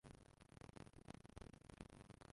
Umuhungu ufasha umukobwa muto guhuha